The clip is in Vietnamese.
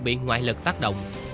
bị ngoại lực tác động